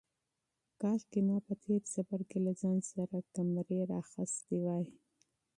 کاشکې ما په تېر سفر کې له ځان سره کمرې راخیستې وای.